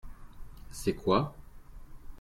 C'est quoi ?